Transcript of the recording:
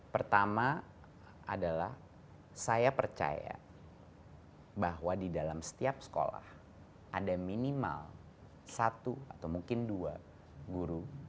pertama adalah saya percaya bahwa di dalam setiap sekolah ada minimal satu atau mungkin dua guru